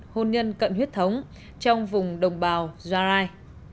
hôn nhân cận huyết thống trong vùng đồng bào gia rai